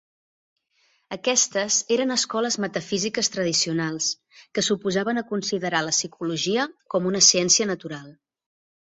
Aquestes eren escoles metafísiques tradicionals, que s'oposaven a considerar la psicologia com una ciència natural.